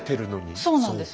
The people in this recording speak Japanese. そうなんです。